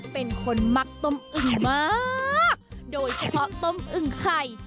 เป็นคนมักต้มอึ่งมากโดยเฉพาะต้มอึงไข่